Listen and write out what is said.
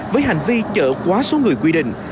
với hành vi chở quá số người quy định